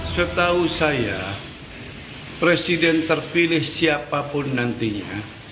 setahu saya presiden terpilih siapapun nantinya